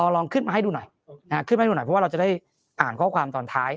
ลองขึ้นมาให้ดูหน่อยขึ้นมาให้ดูหน่อยเพราะว่าเราจะได้อ่านข้อความตอนท้าย